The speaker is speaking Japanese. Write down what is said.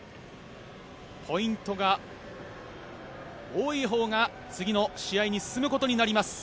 ポイントが多いほうが次の試合に進むことになります。